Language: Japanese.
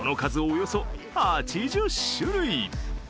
およそ８０種類。